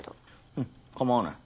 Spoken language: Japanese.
うん構わない。